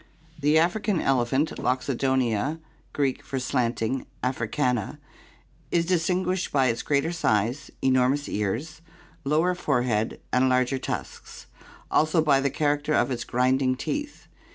The African elephant, Loxodonta (Gr. \o£d?, slanting) ajricana (PI. XXIII, A) is distinguished by its greater size, enormous ears, lower forehead, and larger tusks, also by the character of its grinding teeth (see Fig.